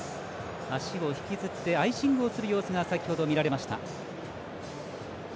足を引きずってアイシングをする様子が先ほど見られました。